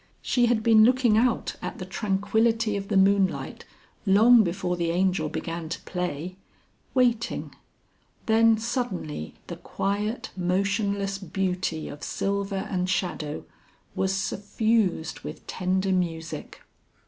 She had been looking out at the tranquillity of the moonlight long before the Angel began to play, waiting; then suddenly the quiet, motionless beauty of silver and shadow was suffused with tender music.